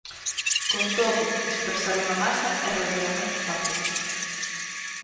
Con todo, dispersar unha masa é relativamente fácil.